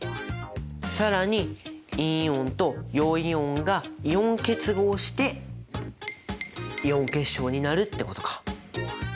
更に陰イオンと陽イオンが「イオン結合」して「イオン結晶」になるってことか。